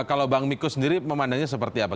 kalau bang miko sendiri memandangnya seperti apa